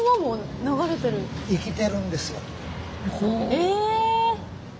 え！